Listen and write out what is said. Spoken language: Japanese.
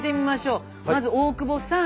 まず大久保さん。